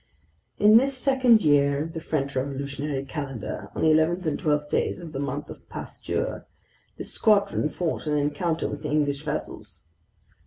In this second year of the French Revolutionary Calendar, on the 11th and 12th days in the Month of Pasture, this squadron fought an encounter with English vessels.